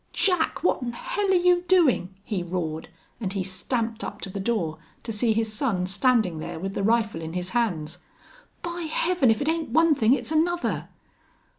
"Jack! What'n hell are you doin'?" he roared, and he stamped up to the door to see his son standing there with the rifle in his hands. "By Heaven! If it ain't one thing it's another!"